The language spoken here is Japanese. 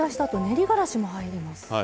あと練りがらしも入ります。